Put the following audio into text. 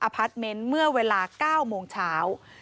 พาร์ทเมนต์เมื่อเวลา๙โมงเช้า